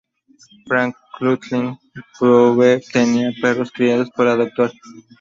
Frau Stöcklin-Pobe tenía perros criados por la Dra.